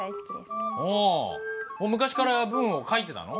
昔から文を書いてたの？